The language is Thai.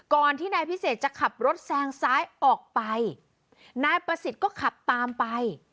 ที่นายพิเศษจะขับรถแซงซ้ายออกไปนายประสิทธิ์ก็ขับตามไป